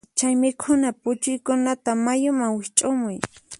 Chay mikhuna puchuykunata mayuman wiqch'umuy.